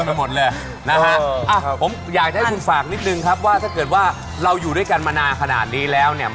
โอ้เจ้าเอากระต่ายออกแล้วโอ้ชนะก็ขนาดนี้เลยเหรอ